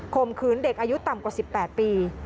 มขืนเด็กอายุต่ำกว่า๑๘ปี